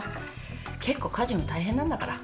結構家事も大変なんだから。